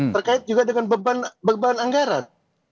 terkait juga dengan beban anggaran